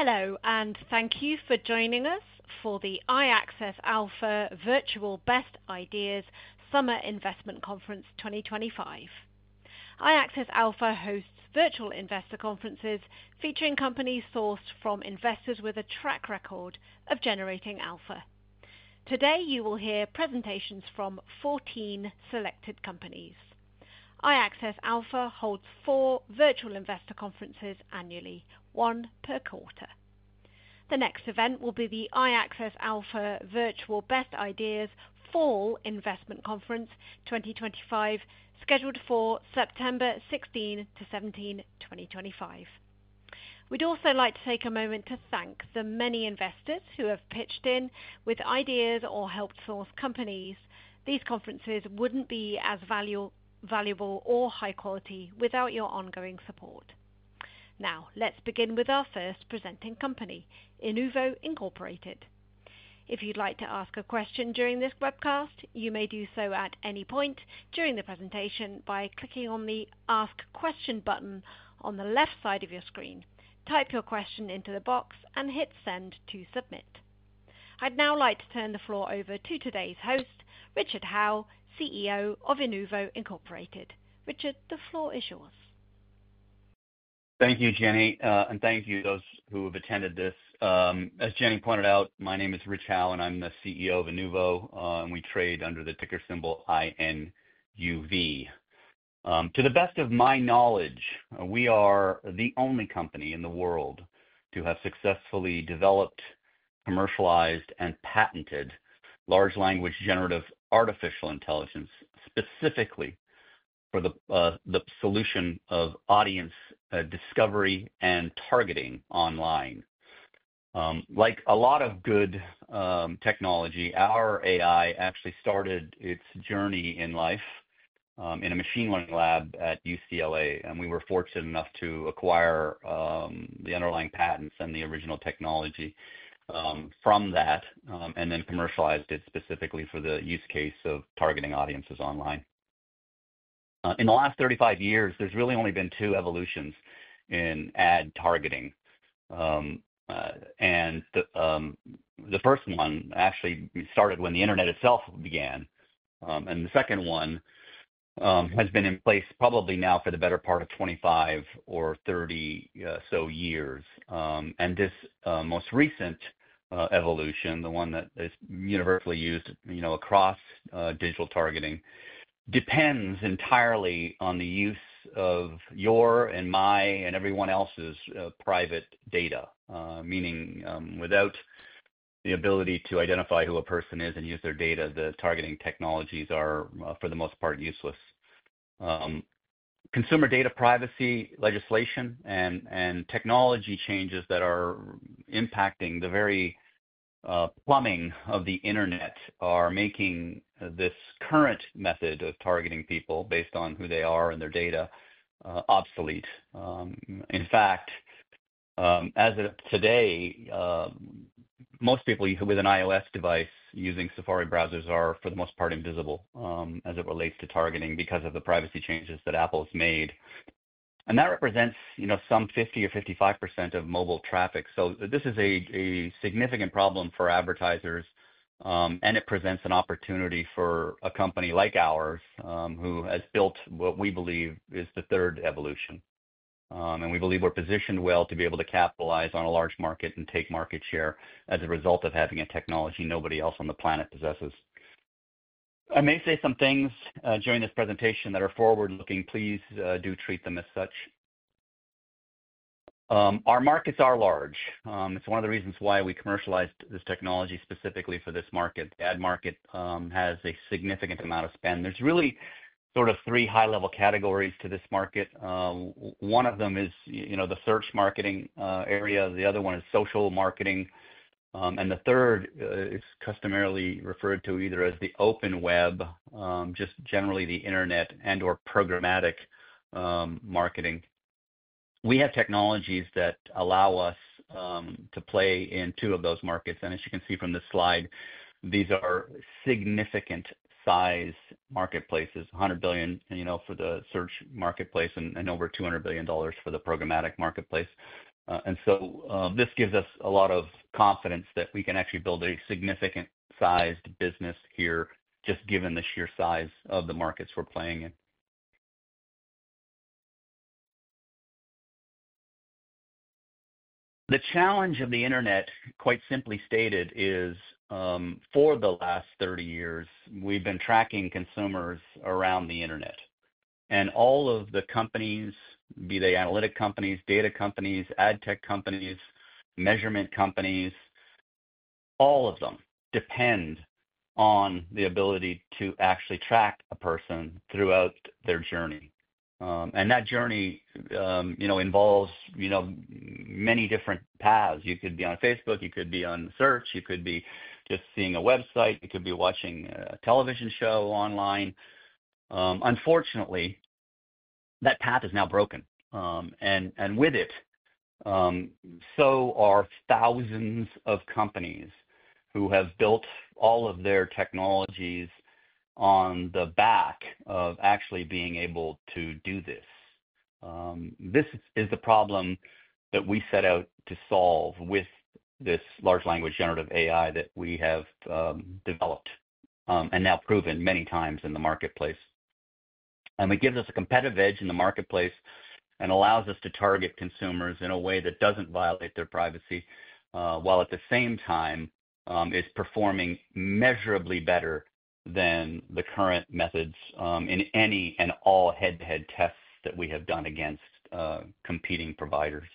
Hello, and thank you for joining us for the iAccess Alpha virtual best ideas summer investment conference 2025. iAccess Alpha hosts virtual investor conferences featuring companies sourced from investors with a track record of generating alpha. Today, you will hear presentations from 14 selected companies. iAccess Alpha holds four virtual investor conferences annually, one per quarter. The next event will be the iAccess Alpha virtual best ideas fall investment conference 2025, scheduled for September 16 to 17, 2025. We'd also like to take a moment to thank the many investors who have pitched in with ideas or helped source companies. These conferences wouldn't be as valuable or high-quality without your ongoing support. Now, let's begin with our first presenting company, Inuvo Incorporated. If you'd like to ask a question during this webcast, you may do so at any point during the presentation by clicking on the Ask Question button on the left side of your screen. Type your question into the box and hit Send to submit. I'd now like to turn the floor over to today's host, Richard Howe, CEO of Inuvo Incorporated. Richard, the floor is yours. Thank you, Jenny, and thank you to those who have attended this. As Jenny pointed out, my name is Rich Howe, and I'm the CEO of Inuvo, and we trade under the ticker symbol INUV. To the best of my knowledge, we are the only company in the world to have successfully developed, commercialized, and patented large language generative artificial intelligence specifically for the solution of audience discovery and targeting online. Like a lot of good technology, our AI actually started its journey in life in a machine learning lab at UCLA, and we were fortunate enough to acquire the underlying patents and the original technology from that, and then commercialized it specifically for the use case of targeting audiences online. In the last 35 years, there's really only been two evolutions in ad targeting. The first one actually started when the internet itself began, and the second one has been in place probably now for the better part of 25 or 30 or so years. This most recent evolution, the one that is universally used across digital targeting, depends entirely on the use of your, and my, and everyone else's private data, meaning without the ability to identify who a person is and use their data, the targeting technologies are, for the most part, useless. Consumer data privacy legislation and technology changes that are impacting the very plumbing of the internet are making this current method of targeting people based on who they are and their data obsolete. In fact, as of today, most people with an iOS device using Safari browsers are, for the most part, invisible as it relates to targeting because of the privacy changes that Apple has made. That represents some 50%-55% of mobile traffic. This is a significant problem for advertisers, and it presents an opportunity for a company like ours who has built what we believe is the third evolution. We believe we are positioned well to be able to capitalize on a large market and take market share as a result of having a technology nobody else on the planet possesses. I may say some things during this presentation that are forward-looking. Please do treat them as such. Our markets are large. It is one of the reasons why we commercialized this technology specifically for this market. The ad market has a significant amount of spend. There are really sort of three high-level categories to this market. One of them is the search marketing area. The other one is social marketing. The third is customarily referred to either as the open web, just generally the internet and/or programmatic marketing. We have technologies that allow us to play in two of those markets. As you can see from this slide, these are significant-sized marketplaces: $100 billion for the search marketplace and over $200 billion for the programmatic marketplace. This gives us a lot of confidence that we can actually build a significant-sized business here just given the sheer size of the markets we're playing in. The challenge of the internet, quite simply stated, is for the last 30 years, we've been tracking consumers around the internet. All of the companies, be they analytic companies, data companies, ad tech companies, measurement companies, all of them depend on the ability to actually track a person throughout their journey. That journey involves many different paths. You could be on Facebook, you could be on Search, you could be just seeing a website, you could be watching a television show online. Unfortunately, that path is now broken. With it, so are thousands of companies who have built all of their technologies on the back of actually being able to do this. This is the problem that we set out to solve with this large language generative AI that we have developed and now proven many times in the marketplace. It gives us a competitive edge in the marketplace and allows us to target consumers in a way that does not violate their privacy while at the same time is performing measurably better than the current methods in any and all head-to-head tests that we have done against competing providers.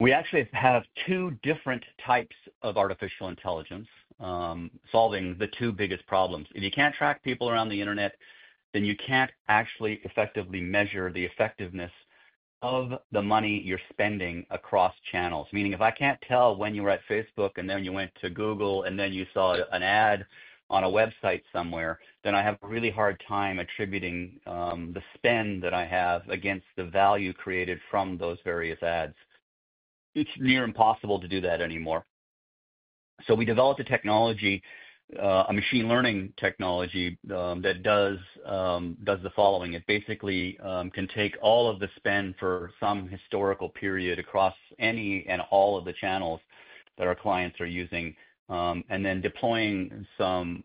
We actually have two different types of artificial intelligence solving the two biggest problems. If you can't track people around the internet, then you can't actually effectively measure the effectiveness of the money you're spending across channels. Meaning, if I can't tell when you were at Facebook and then you went to Google and then you saw an ad on a website somewhere, then I have a really hard time attributing the spend that I have against the value created from those various ads. It's near impossible to do that anymore. We developed a technology, a machine learning technology that does the following. It basically can take all of the spend for some historical period across any and all of the channels that our clients are using and then deploying some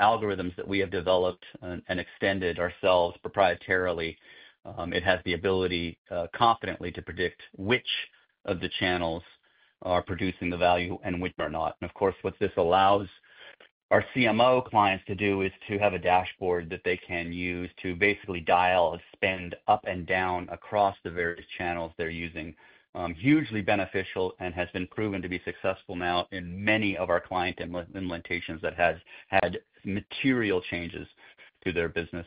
algorithms that we have developed and extended ourselves proprietarily. It has the ability confidently to predict which of the channels are producing the value and which are not. Of course, what this allows our CMO clients to do is to have a dashboard that they can use to basically dial spend up and down across the various channels they are using. Hugely beneficial and has been proven to be successful now in many of our client implementations that have had material changes to their business.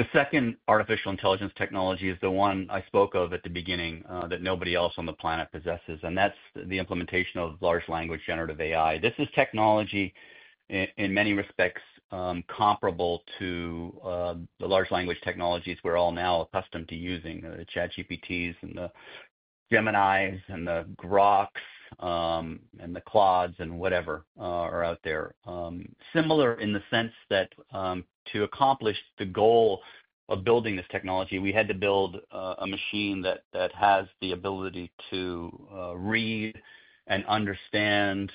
The second artificial intelligence technology is the one I spoke of at the beginning that nobody else on the planet possesses, and that is the implementation of large language generative AI. This is technology in many respects comparable to the large language technologies we are all now accustomed to using: the ChatGPTs and the Geminis and the Groks and the Claudes and whatever are out there. Similar in the sense that to accomplish the goal of building this technology, we had to build a machine that has the ability to read and understand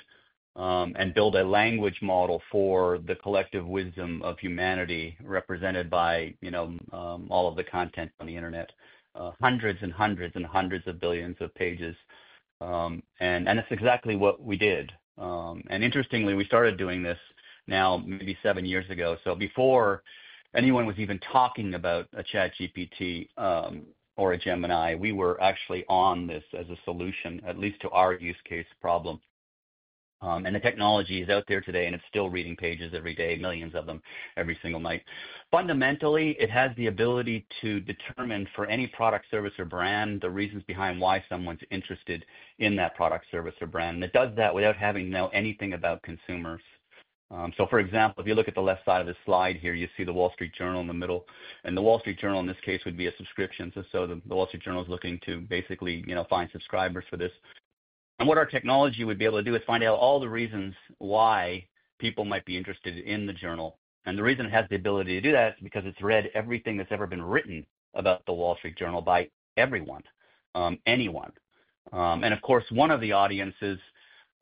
and build a language model for the collective wisdom of humanity represented by all of the content on the internet, hundreds and hundreds and hundreds of billions of pages. That is exactly what we did. Interestingly, we started doing this now maybe seven years ago. Before anyone was even talking about a ChatGPT or a Gemini, we were actually on this as a solution, at least to our use case problem. The technology is out there today, and it is still reading pages every day, millions of them every single night. Fundamentally, it has the ability to determine for any product, service, or brand the reasons behind why someone's interested in that product, service, or brand. It does that without having to know anything about consumers. For example, if you look at the left side of this slide here, you see the Wall Street Journal in the middle. The Wall Street Journal in this case would be a subscription. The Wall Street Journal is looking to basically find subscribers for this. What our technology would be able to do is find out all the reasons why people might be interested in the journal. The reason it has the ability to do that is because it has read everything that's ever been written about the Wall Street Journal by everyone, anyone. Of course, one of the audiences,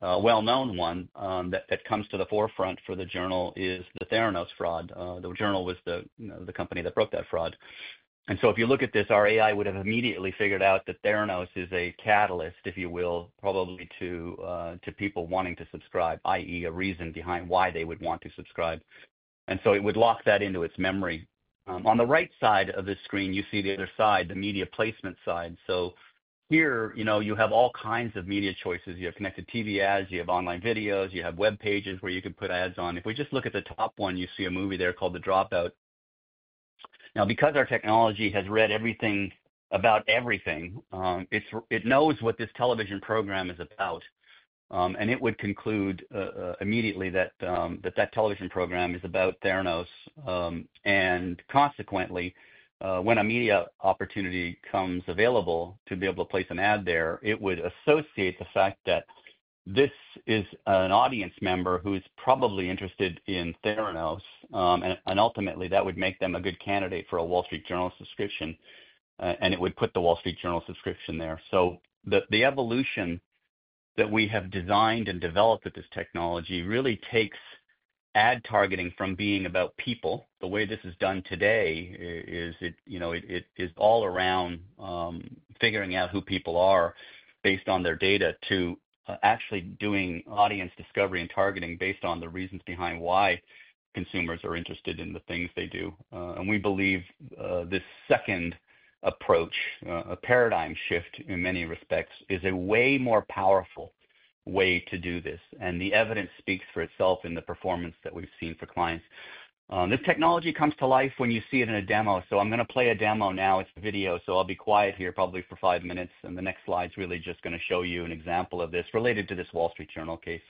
a well-known one that comes to the forefront for the journal, is the Theranos fraud. The journal was the company that broke that fraud. If you look at this, our AI would have immediately figured out that Theranos is a catalyst, if you will, probably to people wanting to subscribe, i.e., a reason behind why they would want to subscribe. It would lock that into its memory. On the right side of this screen, you see the other side, the media placement side. Here, you have all kinds of media choices. You have connected TV ads, you have online videos, you have web pages where you can put ads on. If we just look at the top one, you see a movie there called The Dropout. Now, because our technology has read everything about everything, it knows what this television program is about. It would conclude immediately that that television program is about Theranos. Consequently, when a media opportunity comes available to be able to place an ad there, it would associate the fact that this is an audience member who's probably interested in Theranos. Ultimately, that would make them a good candidate for a Wall Street Journal subscription. It would put the Wall Street Journal subscription there. The evolution that we have designed and developed with this technology really takes ad targeting from being about people. The way this is done today is it is all around figuring out who people are based on their data to actually doing audience discovery and targeting based on the reasons behind why consumers are interested in the things they do. We believe this second approach, a paradigm shift in many respects, is a way more powerful way to do this. The evidence speaks for itself in the performance that we've seen for clients. This technology comes to life when you see it in a demo. I'm going to play a demo now. It's a video. I'll be quiet here probably for five minutes. The next slide is really just going to show you an example of this related to this Wall Street Journal case.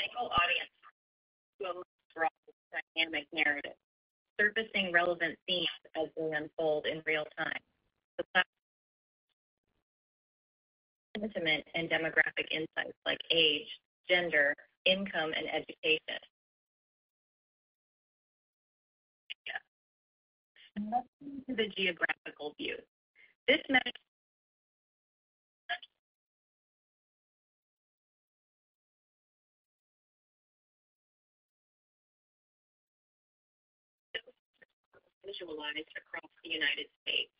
Single audience will draw dynamic narratives, surfacing relevant themes as they unfold in real time. Sentiment and demographic insights like age, gender, income, and education. The geographical view. This is visualized across the United States.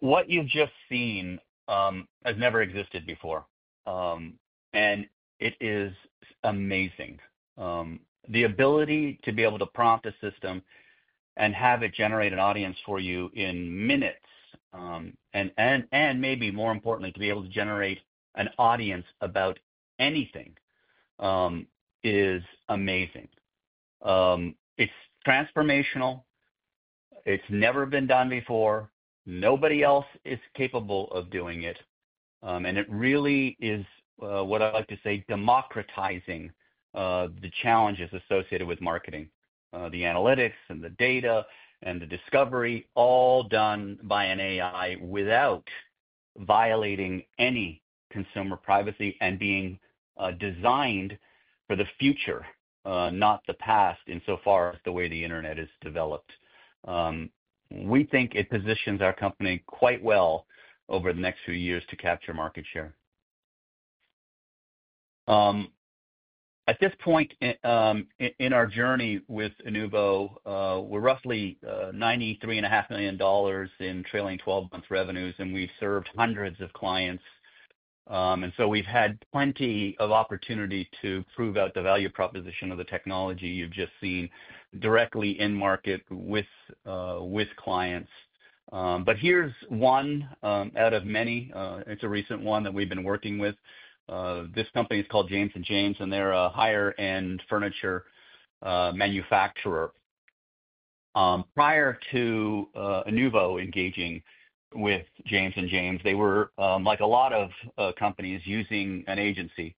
What you've just seen has never existed before. It is amazing. The ability to be able to prompt a system and have it generate an audience for you in minutes and maybe more importantly, to be able to generate an audience about anything is amazing. It's transformational. It's never been done before. Nobody else is capable of doing it. It really is what I like to say, democratizing the challenges associated with marketing, the analytics and the data and the discovery, all done by an AI without violating any consumer privacy and being designed for the future, not the past insofar as the way the internet is developed. We think it positions our company quite well over the next few years to capture market share. At this point in our journey with Inuvo, we're roughly $93.5 million in trailing 12-month revenues, and we've served hundreds of clients. We've had plenty of opportunity to prove out the value proposition of the technology you've just seen directly in market with clients. Here's one out of many. It's a recent one that we've been working with. This company is called James & James, and they're a higher-end furniture manufacturer. Prior to Inuvo engaging with James & James, they were, like a lot of companies, using an agency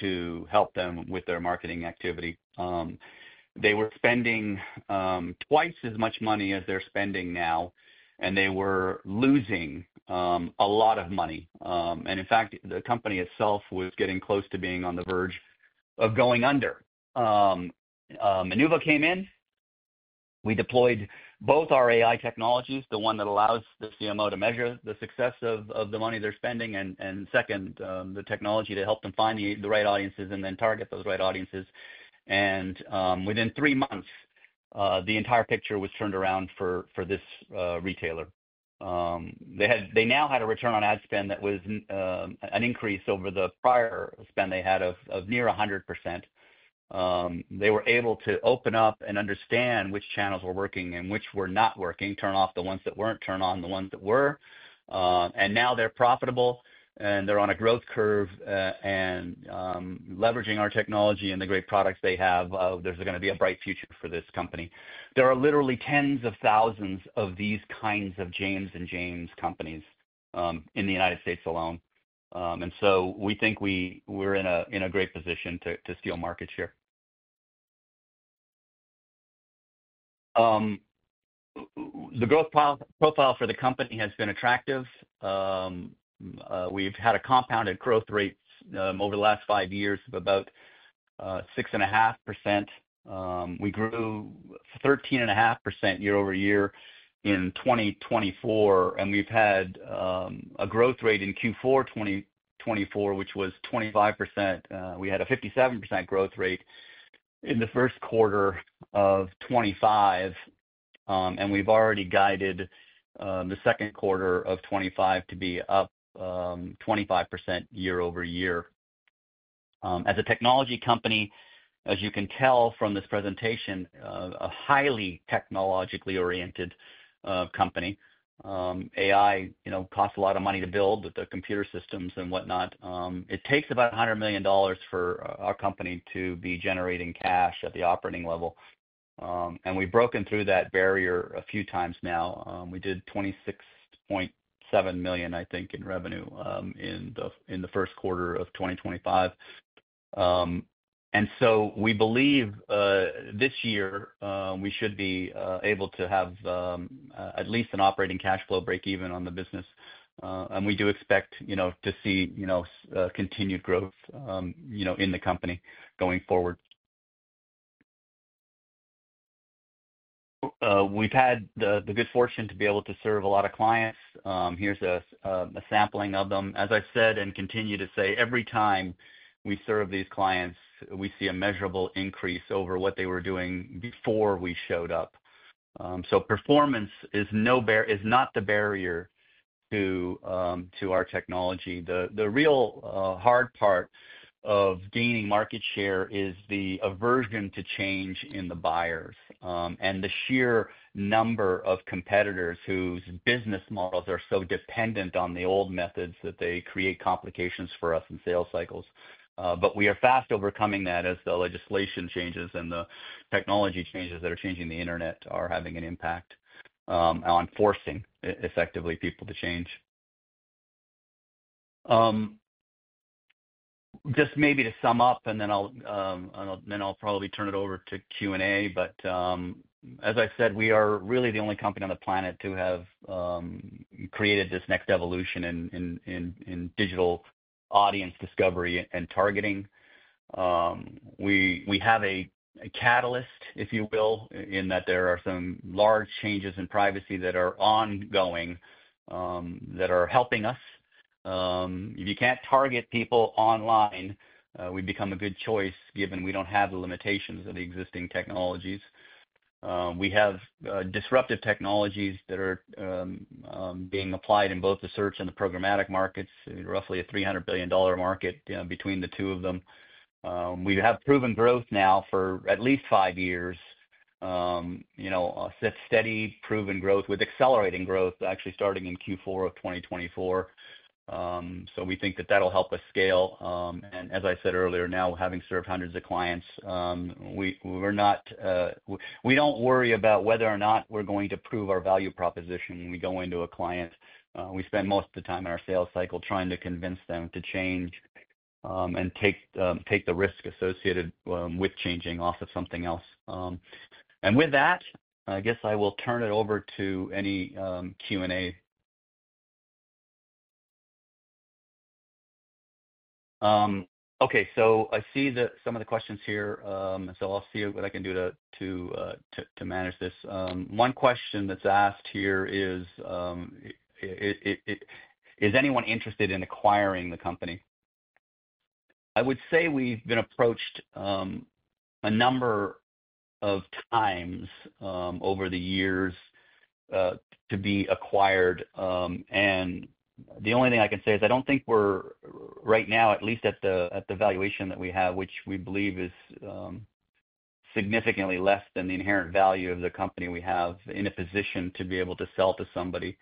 to help them with their marketing activity. They were spending twice as much money as they're spending now, and they were losing a lot of money. In fact, the company itself was getting close to being on the verge of going under. Inuvo came in. We deployed both our AI technologies, the one that allows the CMO to measure the success of the money they're spending, and second, the technology to help them find the right audiences and then target those right audiences. Within three months, the entire picture was turned around for this retailer. They now had a return on ad spend that was an increase over the prior spend they had of near 100%. They were able to open up and understand which channels were working and which were not working, turn off the ones that were not, turn on the ones that were. Now they are profitable, and they are on a growth curve. Leveraging our technology and the great products they have, there is going to be a bright future for this company. There are literally tens of thousands of these kinds of James & James companies in the United States alone. We think we are in a great position to steal market share. The growth profile for the company has been attractive. We have had a compounded growth rate over the last five years of about 6.5%. We grew 13.5% year-over-year in 2024. We have had a growth rate in Q4 2024, which was 25%. We had a 57% growth rate in the first quarter of 2025. We have already guided the second quarter of 2025 to be up 25% year-over-year. As a technology company, as you can tell from this presentation, a highly technologically oriented company. AI costs a lot of money to build with the computer systems and whatnot. It takes about $100 million for our company to be generating cash at the operating level. We have broken through that barrier a few times now. We did $26.7 million, I think, in revenue in the first quarter of 2025. We believe this year we should be able to have at least an operating cash flow break-even on the business. We do expect to see continued growth in the company going forward. We have had the good fortune to be able to serve a lot of clients. Here is a sampling of them. As I said and continue to say, every time we serve these clients, we see a measurable increase over what they were doing before we showed up. Performance is not the barrier to our technology. The real hard part of gaining market share is the aversion to change in the buyers and the sheer number of competitors whose business models are so dependent on the old methods that they create complications for us in sales cycles. We are fast overcoming that as the legislation changes and the technology changes that are changing the internet are having an impact on forcing effectively people to change. Just maybe to sum up, and then I'll probably turn it over to Q&A. As I said, we are really the only company on the planet to have created this next evolution in digital audience discovery and targeting. We have a catalyst, if you will, in that there are some large changes in privacy that are ongoing that are helping us. If you can't target people online, we become a good choice given we don't have the limitations of the existing technologies. We have disruptive technologies that are being applied in both the search and the programmatic markets, roughly a $300 billion market between the two of them. We have proven growth now for at least five years, steady, proven growth with accelerating growth actually starting in Q4 of 2024. We think that that'll help us scale. As I said earlier, now having served hundreds of clients, we don't worry about whether or not we're going to prove our value proposition when we go into a client. We spend most of the time in our sales cycle trying to convince them to change and take the risk associated with changing off of something else. With that, I guess I will turn it over to any Q&A. Okay. I see some of the questions here. I'll see what I can do to manage this. One question that's asked here is, is anyone interested in acquiring the company? I would say we've been approached a number of times over the years to be acquired. The only thing I can say is I don't think we're, right now, at least at the valuation that we have, which we believe is significantly less than the inherent value of the company we have, in a position to be able to sell to somebody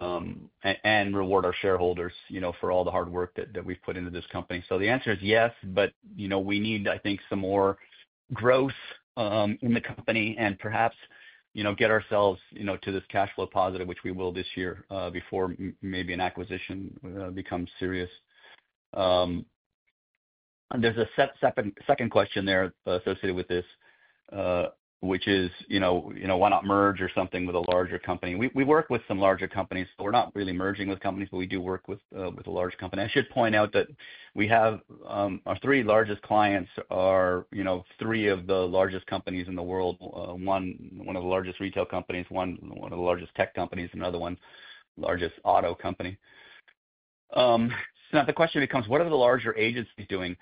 and reward our shareholders for all the hard work that we've put into this company. The answer is yes, but we need, I think, some more growth in the company and perhaps get ourselves to this cash flow positive, which we will this year before maybe an acquisition becomes serious. There is a second question there associated with this, which is, why not merge or something with a larger company? We work with some larger companies. We are not really merging with companies, but we do work with a large company. I should point out that our three largest clients are three of the largest companies in the world: one of the largest retail companies, one of the largest tech companies, and another one is the largest auto company. Now the question becomes, what are the larger agencies doing?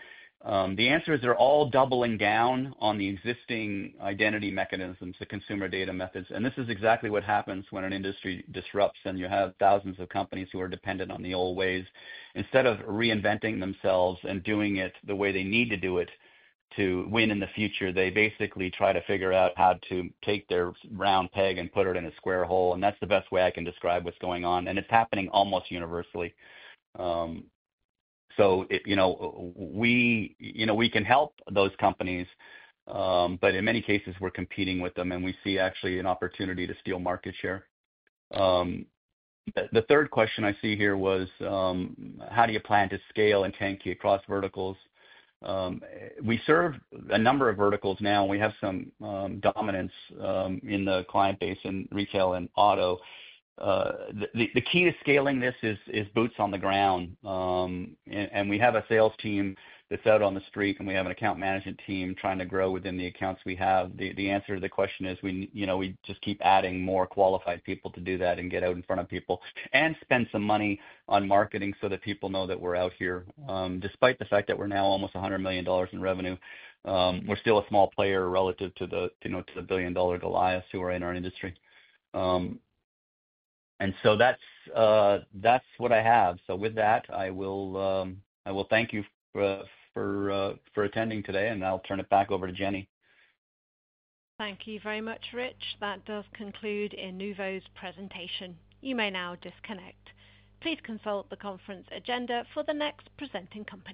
The answer is they are all doubling down on the existing identity mechanisms, the consumer data methods. This is exactly what happens when an industry disrupts and you have thousands of companies who are dependent on the old ways. Instead of reinventing themselves and doing it the way they need to do it to win in the future, they basically try to figure out how to take their brown peg and put it in a square hole. That is the best way I can describe what is going on. It is happening almost universally. We can help those companies, but in many cases, we are competing with them, and we see actually an opportunity to steal market share. The third question I see here was, how do you plan to scale and tank across verticals? We serve a number of verticals now. We have some dominance in the client base in retail and auto. The key to scaling this is boots on the ground. We have a sales team that's out on the street, and we have an account management team trying to grow within the accounts we have. The answer to the question is we just keep adding more qualified people to do that and get out in front of people and spend some money on marketing so that people know that we're out here. Despite the fact that we're now almost $100 million in revenue, we're still a small player relative to the billion-dollar Goliaths who are in our industry. That is what I have. With that, I will thank you for attending today, and I'll turn it back over to Jenny. Thank you very much, Rich. That does conclude Inuvo's presentation. You may now disconnect. Please consult the conference agenda for the next presenting company.